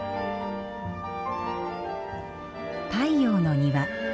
太陽の庭。